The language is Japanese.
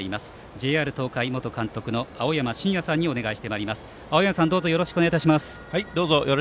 ＪＲ東海元監督の青山眞也さんにお願いします。